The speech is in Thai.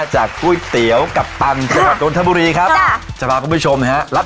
จากก๋วยเตี๋อกับปังที่ขับโดนทบุรีครับจะมาคุณผู้ชมนะฮะ